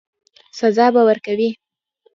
سزا به ورکوي.